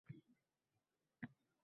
Buvisi pensiyasidan to'ladi